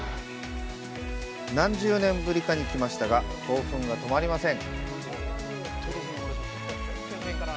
何十年ぶりかに来ましたが興奮が止まりません。